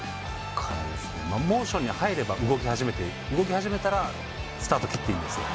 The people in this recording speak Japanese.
モーションに入れば動き始めたらスタートを切っていいんですよ。